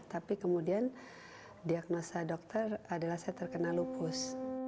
tapi kemudian diagnosa dokter adalah saya terkena lupus